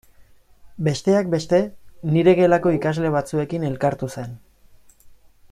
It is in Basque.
Besteak beste nire gelako ikasle batzuekin elkartu zen.